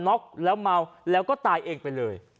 ็อกแล้วเมาแล้วก็ตายเองไปเลย